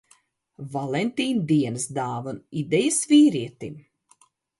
Valentīna dienas dāvanu idejas vīrietim.